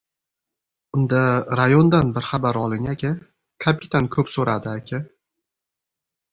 — Unda, rayondan bir xabar oling, aka. Kapitan ko‘p so‘radi, aka.